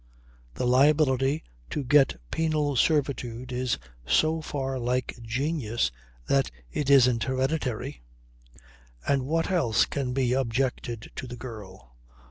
"The liability to get penal servitude is so far like genius that it isn't hereditary. And what else can be objected to the girl?